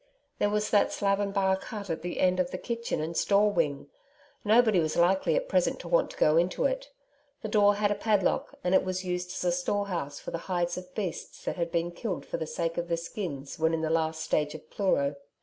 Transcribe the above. There was that slab and bark hut at the end of the kitchen and store wing. Nobody was likely at present to want to go into it. The door had a padlock, and it was used as a store house for the hides of beasts that had been killed for the sake of the skins when in the last stage of pleuro.